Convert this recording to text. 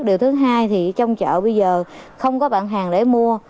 điều thứ hai thì trong chợ bây giờ không có bạn hàng để mua